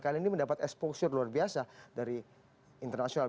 kali ini mendapat exposure luar biasa dari internasional